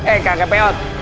eh kagak peot